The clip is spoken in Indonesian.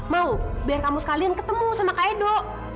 mau biar kamu sekalian ketemu sama kak edo